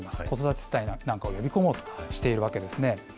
子育て世帯なんかを呼び込もうとしているんですね。